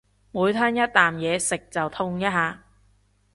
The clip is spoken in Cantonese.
每吞一啖嘢食就痛一下